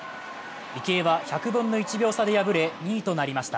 池江は１００分の１秒差で敗れ２位となりました。